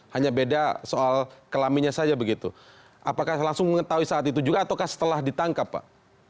hanya beda soal kelaminnya saja begitu apakah langsung mengetahui saat itu juga atau setelah ditangkap pak